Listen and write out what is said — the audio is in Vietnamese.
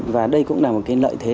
và đây cũng là lợi thế